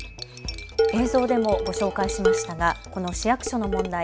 映像でもご紹介しましたがこの市役所の問題。